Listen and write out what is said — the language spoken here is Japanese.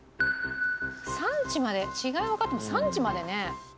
産地まで違いわかっても産地までね。